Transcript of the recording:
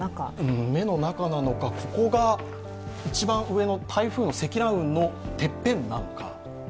多分、ここが一番上の台風の積乱雲のてっぺんなのか。